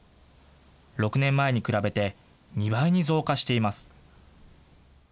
６年前に比べて２倍に増加しています。